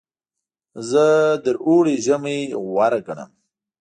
زه تر اوړي ژمی غوره ګڼم.